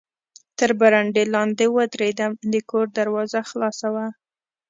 تر برنډې لاندې و درېدم، د کور دروازه خلاصه وه.